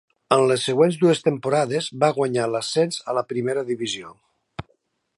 En les següents dues temporades, va guanyar l'ascens a la primera divisió.